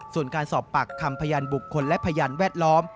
ส่วนการสอบปากคำพยานบุคคลและพยานแวดล้อม